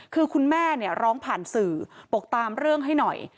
คือคุณแม่เนี่ยร้องผ่านสื่อบอกตามเรื่องให้หน่อย